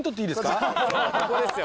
ここですよ